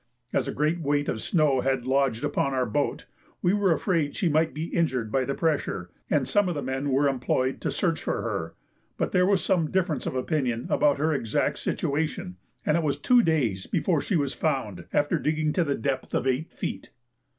As a great weight of snow had lodged upon our boat, we were afraid she might be injured by the pressure, and some of the men were employed to search for her, but there was some difference of opinion about her exact situation, and it was two days before she was found, after digging to the depth of eight feet.